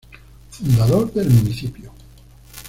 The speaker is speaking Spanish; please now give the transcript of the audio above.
Fundador del municipio.